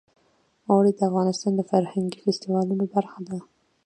اوړي د افغانستان د فرهنګي فستیوالونو برخه ده.